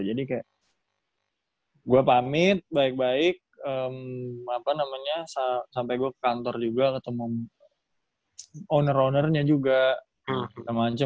jadi kayak gue pamit baik baik sampai gue ke kantor juga ketemu owner ownernya juga